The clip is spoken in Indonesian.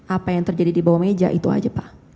apa yang terjadi di bawah meja itu aja pak